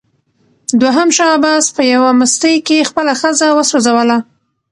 دوهم شاه عباس په یوه مستۍ کې خپله ښځه وسوځوله.